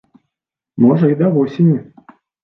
Можа, і да восені.